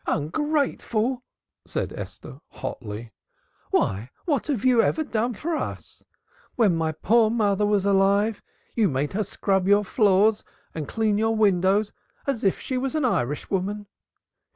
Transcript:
"Ungrateful!" said Esther hotly. "Why, what have you ever done for us? When my poor mother was alive you made her scrub your floors and clean your windows, as if she was an Irishwoman."